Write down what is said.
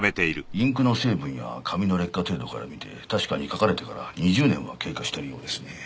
インクの成分や紙の劣化程度から見て確かに書かれてから２０年は経過してるようですね。